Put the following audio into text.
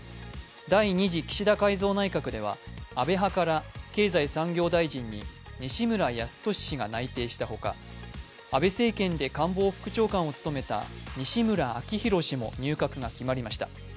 第２次岸田改造内閣では安倍派から経済産業大臣に西村康稔氏が内定したほか、安倍政権で官房副長官を務めた西村康稔氏も入閣が決まりました。